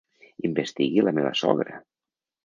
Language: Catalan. Investigui la meva sogra!